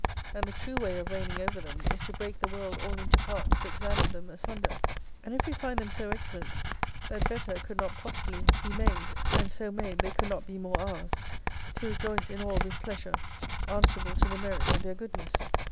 And the true way of reigning over them, is to break the world all into parts, to examine them asunder : And if we find them so excellent that better could not possibly be made, and so made they could not be more ours, to re joice in all with pleasure answerable to the merit of their Goodness.